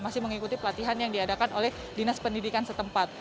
masih mengikuti pelatihan yang diadakan oleh dinas pendidikan setempat